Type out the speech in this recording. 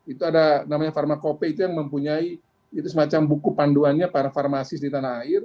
itu ada namanya pharmacope itu yang mempunyai semacam buku panduannya para farmasis di tanah air